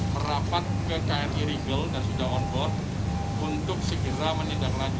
merapat ke kri riegel dan sudah on board untuk segera menindaklanjuti